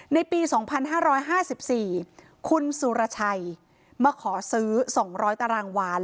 ในปี๒๕๕๔คุณสุรชัยมาขอซื้อ๒๐๐ตารางวาน